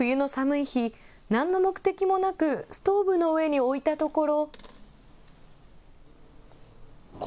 冬の寒い日、なんの目的もなく、ストーブの上に置いたところ。